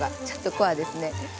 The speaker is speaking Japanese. ちょっとコアですね。